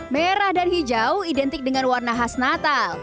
merah dan hijau identik dengan warna khas natal